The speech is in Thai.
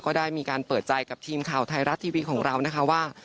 ก็ได้มีการเปิดใจกับทีมข่าวไทยรัฐทีวีของเรานะคะว่า